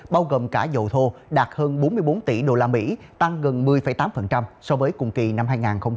bao gồm cả dầu thô đạt hơn bốn mươi bốn tỷ usd tăng gần một mươi tám so với cùng kỳ năm hai nghìn hai mươi ba